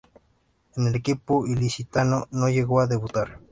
En el equipo ilicitano no llegó a debutar.